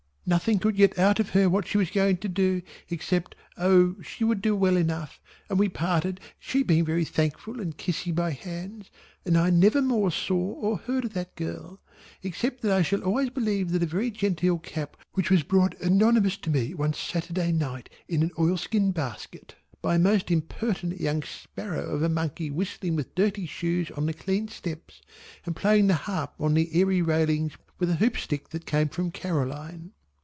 Nothing could get out of her what she was going to do except O she would do well enough, and we parted she being very thankful and kissing my hands, and I nevermore saw or heard of that girl, except that I shall always believe that a very genteel cap which was brought anonymous to me one Saturday night in an oilskin basket by a most impertinent young sparrow of a monkey whistling with dirty shoes on the clean steps and playing the harp on the Airy railings with a hoop stick came from Caroline.